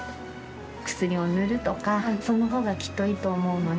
薬を塗るとかそのほうがきっといいと思うのね。